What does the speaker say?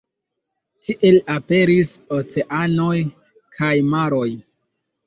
Tiel aperis oceanoj kaj maroj.